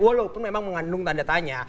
walaupun memang mengandung tanda tanya